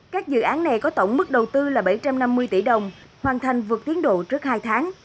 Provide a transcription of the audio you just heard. các dự án này có tổng mức đầu tư là bảy trăm năm mươi tỷ đồng hoàn thành vượt tiến độ trước hai tháng